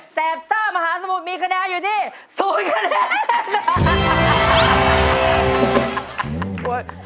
แปบซ่ามหาสมุทรมีคะแนนอยู่ที่๐คะแนน